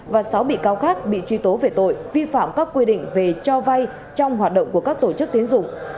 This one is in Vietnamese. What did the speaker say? và sáu bị cáo khác bị truy tố về tội vi phạm các quy định về cho vay trong hoạt động của các tổ chức tiến dụng